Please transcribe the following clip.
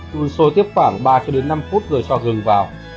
đun sôi tiếp khoảng ba năm phút rồi cho gừng vào